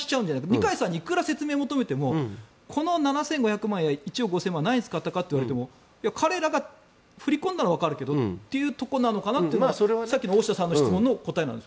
二階さんにいくら説明を求めてもこの７５００万円何に使ったかと言われても彼らが振り込んだのはわかるけどというところなのかなというのがさっきの大下さんの質問の答えなんです。